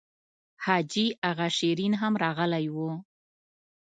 حاجي اغا شېرین هم راغلی و.